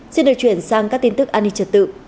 xin được chuyển sang các tin tức an ninh trật tự